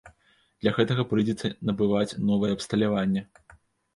Для гэтага прыйдзецца набываць новае абсталяванне.